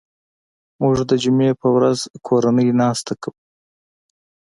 موږ د جمعې په ورځ کورنۍ ناسته کوو